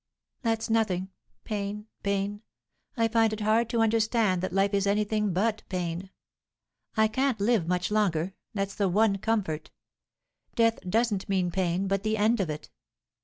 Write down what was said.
"That's nothing; pain, pain I find it hard to understand that life is anything but pain. I can't live much longer, that's the one comfort. Death doesn't mean pain, but the end of it.